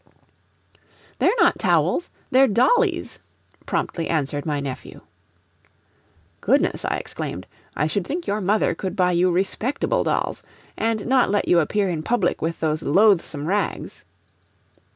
"They're not towels they're dollies," promptly answered my nephew. "Goodness!" I exclaimed. "I should think your mother could buy you respectable dolls, and not let you appear in public with those loathsome rags."